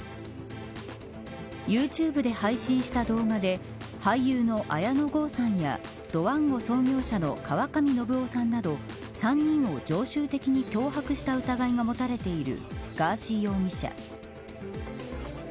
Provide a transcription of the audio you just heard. ユーチューブで配信した動画で俳優の綾野剛さんやドワンゴ創業者の川上量生さんなど３人を常習的に脅迫した疑いが持たれているガーシー容疑者。